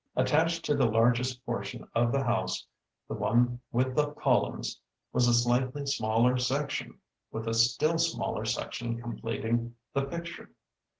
Attached to the largest portion of the house, the one with the columns, was a slightly smaller section, with a still smaller section completing the picture.